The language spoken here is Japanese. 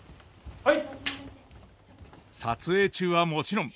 はい。